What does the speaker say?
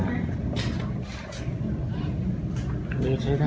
อันนี้ก็มองดูนะคะ